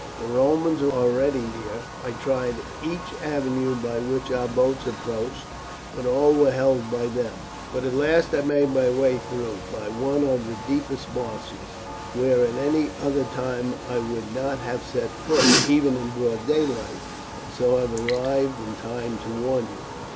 The Romans were already near. I tried each avenue by which our boats approached, but all were held by them. But at last I made my way through by one of the deepest marshes, where at any other time I would not have set foot, even in broad daylight, and so have arrived in time to warn you."